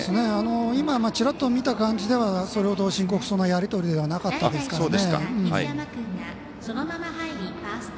今、ちらっと見た感じではそれほど、深刻そうなやり取りではなかったですが。